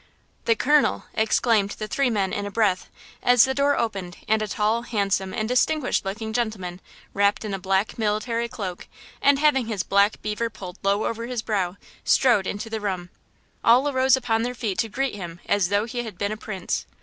"THE colonel!" exclaimed the three men in a breath, as the door opened and a tall, handsome and distinguished looking gentleman, wrapped in a black military cloak and having his black beaver pulled low over his brow, strode into the room. All arose upon their feet to greet him as though he had been a prince.